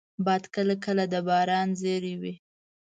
باد کله کله د باران زېری وي